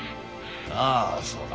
ああそうだ。